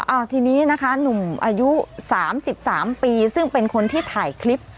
เอาทีนี้นะคะหนุ่มอายุ๓๓ปีซึ่งเป็นคนที่ถ่ายคลิป